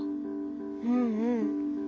うんうん。